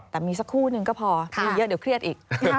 แต่มีสักคู่หนึ่งก็พอมีเยอะเดี๋ยวเครียดอีก